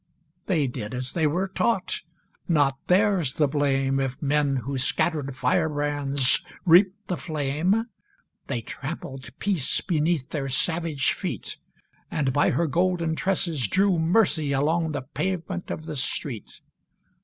II. They did as they were taught; not theirs the blame, If men who scattered firebrands reaped the flame: They trampled Peace beneath their savage feet, And by her golden tresses drew Mercy along the pavement of the street.